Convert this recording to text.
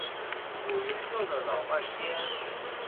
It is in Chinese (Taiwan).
我研究了老半天